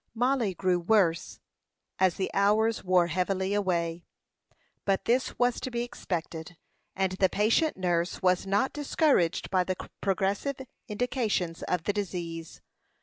Mollie grow worse as the hours wore heavily away; but this was to be expected, and the patient nurse was not discouraged by the progressive indications of the disease.